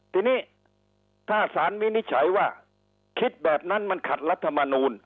ทีนี้ถ้าสารวินิจฉัยว่าคิดแบบนั้นมันขัดรัฐมนูล